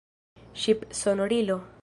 Ŝipsonorilo.